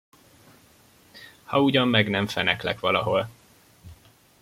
Ha ugyan meg nem feneklek valahol.